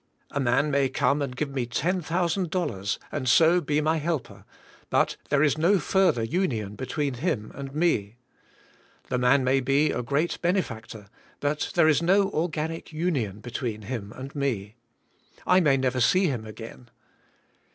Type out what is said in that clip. A man may come and give me $10,000, and so be my helper, but there is no fur ther union between him and me. The man may be a great benefactor, but there is no organic union be tween him and me. I may nev^er see him again.